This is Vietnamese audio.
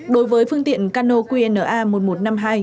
đối với phương tiện cano qna một nghìn một trăm năm mươi hai